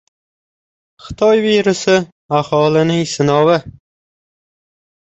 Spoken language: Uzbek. Xitoy virusi — Allohning sinovi...